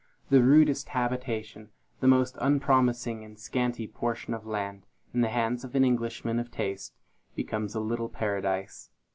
The rudest habitation, the most unpromising and scanty portion of land, in the hands of an Englishman of taste, becomes a little paradise.